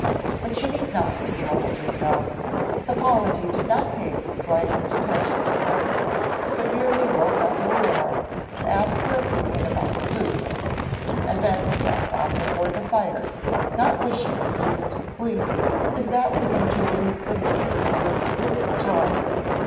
But she need not have troubled herself; Hippolyte did not pay the slightest attention to her, but merely woke up Aurore to ask her opinion about the boots, and then sat down before the fire, not wishing even to sleep, as that would be to lose some minutes of exquisite joy.